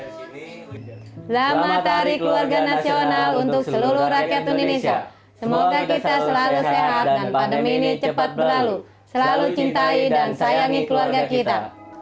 selamat hari keluarga nasional untuk seluruh rakyat indonesia semoga kita selalu sehat dan pandemi ini cepat berlalu selalu cintai dan sayangi keluarga kita